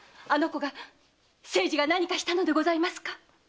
あの子が清次が何かしたのでございますか？